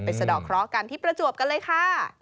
สะดอกเคราะห์กันที่ประจวบกันเลยค่ะ